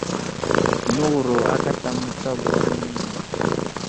Nəwuro aka aslam mətsago anaŋ yo.